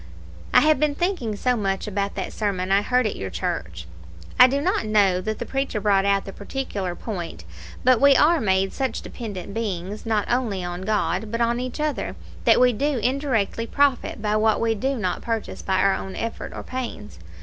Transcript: "I have been thinking so much about that sermon I heard at your church. I do not know that the preacher brought out the particular point; but we are made such dependent beings, not only on God, but on each other, that we do indirectly profit by what we do not purchase by our own effort or pains.